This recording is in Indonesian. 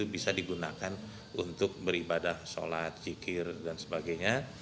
bisa digunakan untuk beribadah sholat jikir dan sebagainya